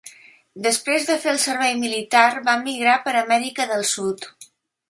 Després de fer el servei militar va emigrar per Amèrica del Sud.